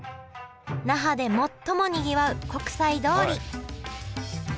那覇で最もにぎわう国際通り。